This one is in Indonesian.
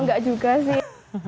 enggak juga sih